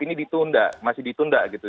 ini ditunda masih ditunda gitu